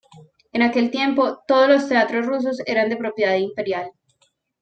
En aquel tiempo, todos los teatros rusos eran de propiedad imperial.